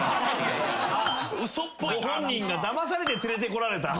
ご本人がだまされて連れてこられた。